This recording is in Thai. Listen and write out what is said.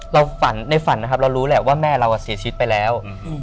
ฝันในฝันนะครับเรารู้แหละว่าแม่เราเสียชีวิตไปแล้ว